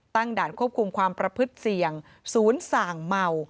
ด่านควบคุมความประพฤติเสี่ยงศูนย์ส่างเมา